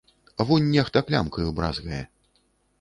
Вунь нехта клямкаю бразгае.